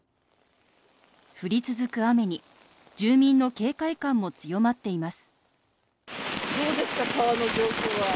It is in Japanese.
降り続く雨に住民の警戒感も強まっています